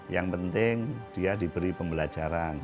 yang penting dia diberi pembelajaran